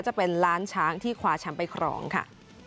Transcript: จะเป็นล้านช้างที่คว้าแชมป์ไปครองค่ะ